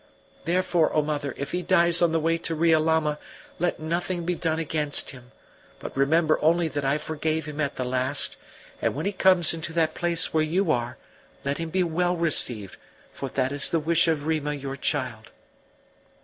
Therefore, O mother, if he dies on the way to Riolama let nothing be done against him, but remember only that I forgave him at the last; and when he comes into that place where you are, let him be well received, for that is the wish of Rima, your child."